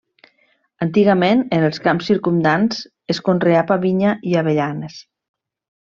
Antigament, en els camps circumdants es conreava vinya i avellanes.